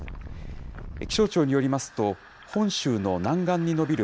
気象庁によりますと、本州の南岸に延びる